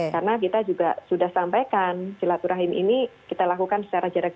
karena kita juga sudah sampaikan silaturahim ini kita lakukan secara jarak